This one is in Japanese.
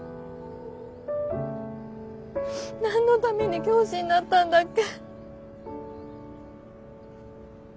何のために教師になったんだっけ。